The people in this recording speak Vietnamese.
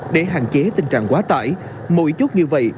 để hạn chế tình trạng quá tải mỗi chút như vậy